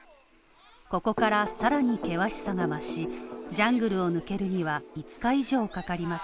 ここからさらに険しさが増し、ジャングルを抜けるには５日以上かかります。